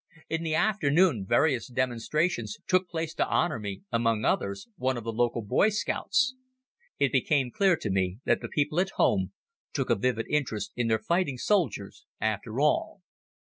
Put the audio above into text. In the afternoon various demonstrations took place to honor me, among others, one of the local Boy Scouts. It became clear to me that the people at home took a vivid interest in their fighting soldiers after all.